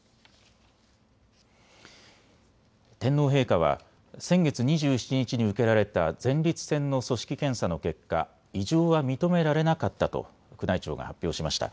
天皇陛下は先月２７日に受けられた前立腺の組織検査の結果、異常は認められなかったと宮内庁が発表しました。